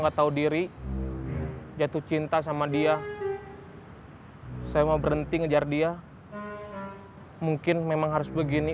gak tahu diri jatuh cinta sama dia saya mau berhenti ngejar dia mungkin memang harus begini